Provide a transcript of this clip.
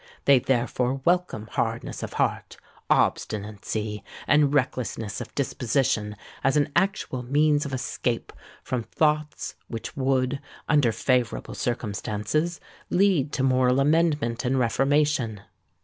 They therefore welcome hardness of heart, obstinacy, and recklessness of disposition as an actual means of escape from thoughts which would, under favourable circumstances, lead to moral amendment and reformation.